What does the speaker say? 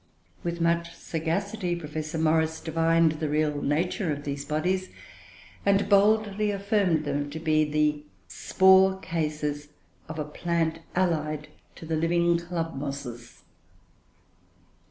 With much sagacity, Professor Morris divined the real nature of these bodies, and boldly affirmed them to be the spore cases of a plant allied to the living club mosses.